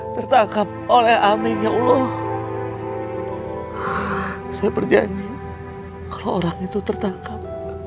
tertangkap oleh aminnya allah saya berjanji kalau orang itu tertangkap